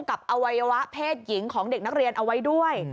อวัยวะเพศหญิงของเด็กนักเรียนเอาไว้ด้วย